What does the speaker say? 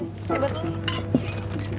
enggak enggak enggak